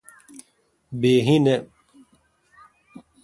بیہی نہ۔